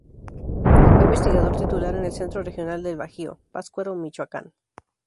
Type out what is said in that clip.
Fue investigador titular en el "Centro Regional del Bajío", Pátzcuaro Mich.